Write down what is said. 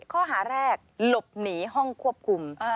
ข้อหาแรกหลบหนีห้องควบคุม